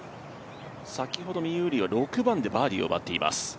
先ほど、ミン・ウー・リーは６番でバーディーを奪っています。